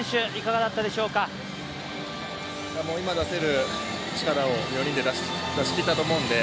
今出せる力を４人で出しきったと思うんで、